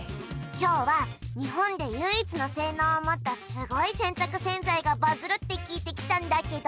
今日は日本で唯一の性能を持ったすごい洗濯洗剤がバズるって聞いて来たんだけど